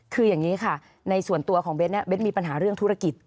คืออย่างนี้ค่ะในส่วนตัวของเบ้นเบ้นมีปัญหาเรื่องธุรกิจ